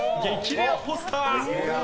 レアポスター。